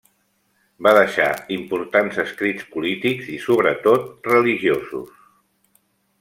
Va deixar importants escrits polítics i sobretot religiosos.